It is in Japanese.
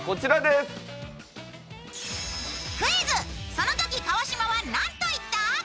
そのとき川島はなんと言った！？」です。